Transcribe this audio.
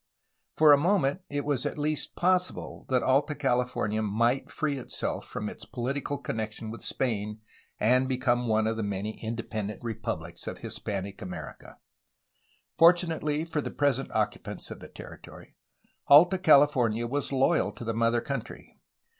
For a moment it was at least possible that Alta California might free itself from its political connection with Spain and become one of the many independent republics of Hispanic America. Fortu nately for the present occupants of the territory, Alta Cali fornia was loyal to the mother country.